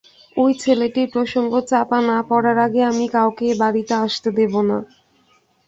ঐ ছেলেটির প্রসঙ্গ চাপা না-পড়ার আগে আমি কাউকে এ-বাড়িতে আসতে দেব না।